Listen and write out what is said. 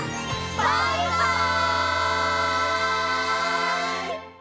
バイバイ！